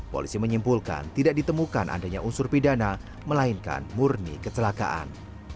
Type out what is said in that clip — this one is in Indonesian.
polisi menyimpulkan tidak ditemukan adanya unsur pidana melainkan murni kecelakaan